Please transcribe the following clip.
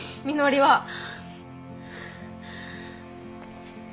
みのりは。